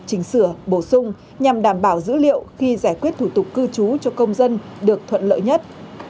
chỉnh sửa bổ sung nhằm đảm bảo dữ liệu khi giải quyết thủ tục cư trú cho công dân được thuận lợi nhất